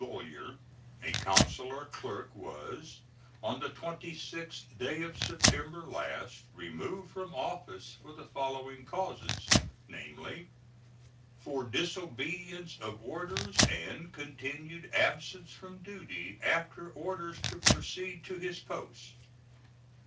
Viollier, a consular clerk, was, on the 26th day of September last, removed from office for the following causes, namely: For disobedience of orders and continued absence from duty after orders to proceed to his post.